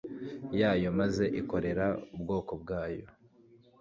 yayo maze irokore ubwoko bwayo.